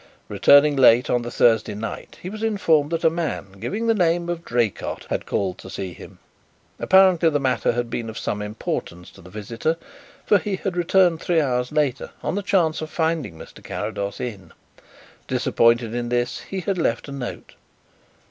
Returning late on the Thursday night, he was informed that a man giving the name of Draycott had called to see him. Apparently the matter had been of some importance to the visitor for he had returned three hours later on the chance of finding Mr. Carrados in. Disappointed in this, he had left a note.